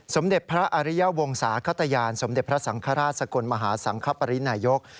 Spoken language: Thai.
สมเด็จพระอริยาวงศาขตยานสมเด็จพระสังฆราชสกลมหาสังคปรินายก